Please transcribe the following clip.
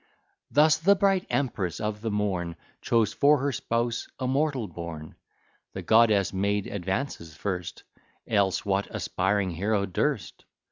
Thus the bright empress of the morn Chose for her spouse a mortal born: The goddess made advances first; Else what aspiring hero durst?